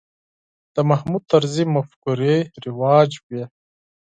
د محمود طرزي مفکورې رواج وې.